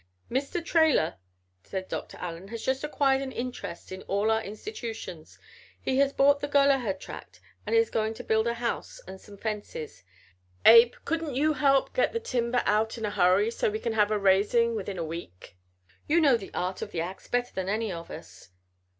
"Mr. Traylor," said Doctor Allen, "has just acquired an interest in all our institutions. He has bought the Gollaher tract and is going to build a house and some fences. Abe, couldn't you help get the timber out in a hurry so we can have a raising within a week? You know the art of the ax better than any of us."